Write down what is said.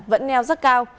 vẫn neo rất cao